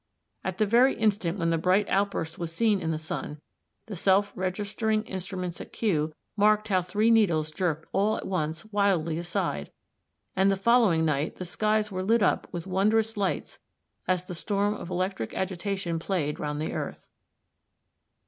At the very instant when the bright outburst was seen in the sun, the self registering instruments at Kew marked how three needles jerked all at once wildly aside; and the following night the skies were lit up with wondrous lights as the storm of electric agitation played round the earth.